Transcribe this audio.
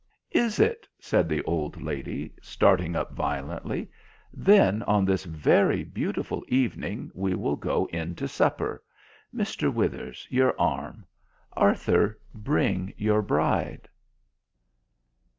"Is it?" said the old lady, starting up violently. "Then on this very beautiful evening we will go in to supper. Mr. Withers, your arm; Arthur, bring your bride."